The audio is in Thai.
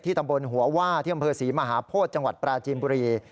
ที่ดำบลหัวว่าที่กำเภอสีมหาโภตจังหวัดปราจินบุรี